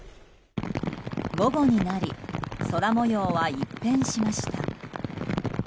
午後になり空模様は一変しました。